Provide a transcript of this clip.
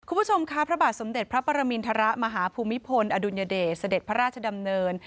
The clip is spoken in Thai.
คุณผู้ชมค่ะพระบาทสมเด็จพระปรมินทรมาฮภูมิพลอดุลยเดชเสด็จพระราชดำเนิน